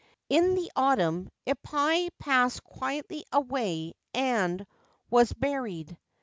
In the autumn Ippai passed quietly away and was buried.